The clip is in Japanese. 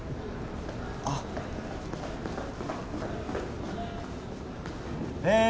あっ・え